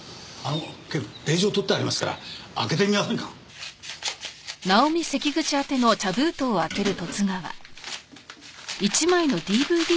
警部令状取ってありますから開けてみませんか？